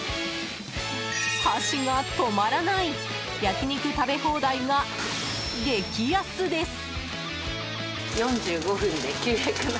箸が止まらない焼き肉食べ放題が激安です。